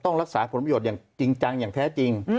ต้องรักษาผลประโยชน์อย่างจริงจังอย่างแท้จริง